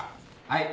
はい。